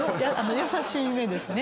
優しい目ですね。